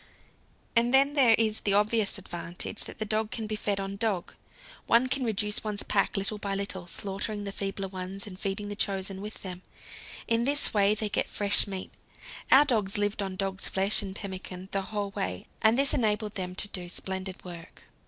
And then there is the obvious advantage that dog can be fed on dog. One can reduce one's pack little by little, slaughtering the feebler ones and feeding the chosen with them. In this way they get fresh meat. Our dogs lived on dog's flesh and pemmican the whole way, and this enabled them to do splendid work.